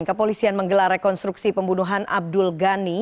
kepolisian menggelar rekonstruksi pembunuhan abdul ghani